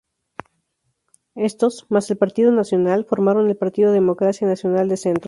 Estos, más el Partido Nacional, formaron el partido Democracia Nacional de Centro.